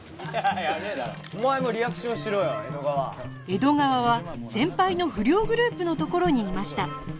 江戸川は先輩の不良グループの所にいました